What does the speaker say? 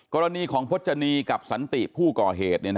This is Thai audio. กรณีของพจนีกับสันติผู้ก่อเหตุ